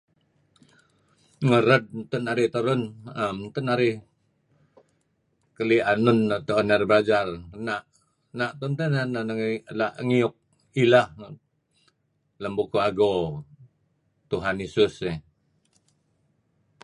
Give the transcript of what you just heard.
Ngared mento' narih terun am neto' n arih keli' enun nuk tuen narih belajar na'. Na' tun teh la' tuen belajar ngiuk ileh lem Bukuh Ago, Tuhan Yesus iih.